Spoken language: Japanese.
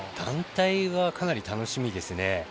団体はかなり楽しみですね。